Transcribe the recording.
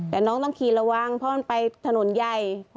แต่น้องต้องขี่ระวังเพราะมันไปถนนใหญ่